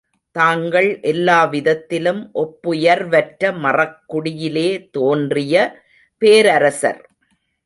தாங்கள் எல்லா விதத்திலும் ஒப்புயர்வற்ற மறக்குடியிலே தோன்றிய பேரரசர்.